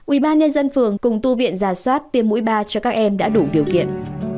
ubnd phường cùng tu viện giả soát tiêm mũi ba cho các em đã đủ điều kiện